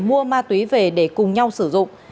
mua ma túy về để cùng nhau sử dụng